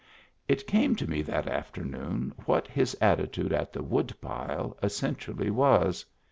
It came to me that afternoon what his attitude at the woodpile essentially was.